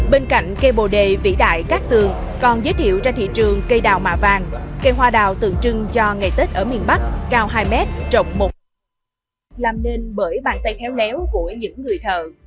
bên cạnh cây bồ đề vĩ đại cát tường còn giới thiệu ra thị trường cây đào mạ vàng cây hoa đào tượng trưng cho ngày tết ở miền bắc cao hai m trọng một m làm nên bởi bàn tay khéo léo của những người thợ